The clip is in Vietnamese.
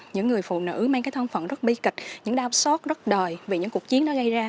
những người phụ nữ mang cái thân phận rất bi kịch những đau xót rất đời vì những cuộc chiến nó gây ra